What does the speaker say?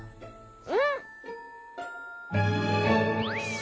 うん！